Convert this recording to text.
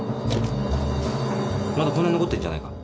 まだこんなに残ってるじゃないか。